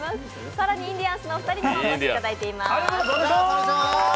更にインディアンスのお二人にもお越しいただいています。